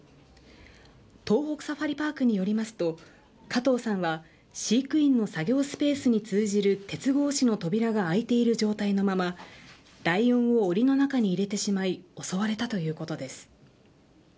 東北サファリパークによりますと加藤さんは飼育員の作業スペースに通じる鉄格子の扉が開いている状態のままライオンをおりの中に入れてしまい襲われたということです。